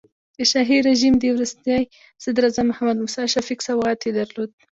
د شاهي رژیم د وروستي صدراعظم محمد موسی شفیق سوغات یې درلود.